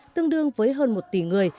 tương đương với hơn một tỷ người